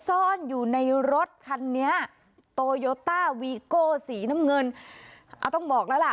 ซ่อนอยู่ในรถคันนี้โตโยต้าวีโก้สีน้ำเงินอ่าต้องบอกแล้วล่ะ